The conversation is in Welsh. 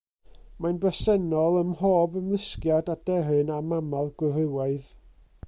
Mae'n bresennol ym mhob ymlusgiad, aderyn a mamal gwrywaidd.